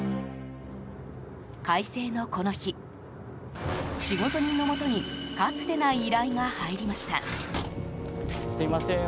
快晴のこの日、仕事人のもとにかつてない依頼が入りました。